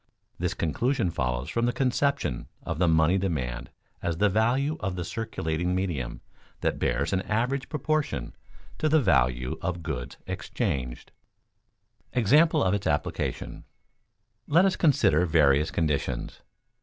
This conclusion follows from the conception of the money demand as the value of circulating medium that bears an average proportion to the value of goods exchanged. [Sidenote: Example of its application] Let us consider various conditions.